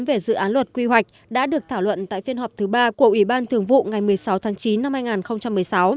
về dự án luật quy hoạch đã được thảo luận tại phiên họp thứ ba của ủy ban thường vụ ngày một mươi sáu tháng chín năm hai nghìn một mươi sáu